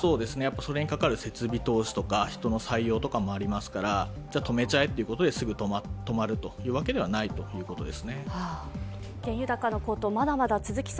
それにかかる設備投資とか人の採用とかもありますから止めちゃえということで、すぐ止まるわけではないということです。